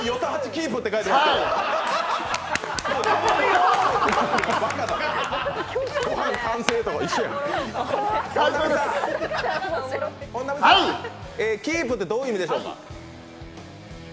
キープってどういう意味でしょうか？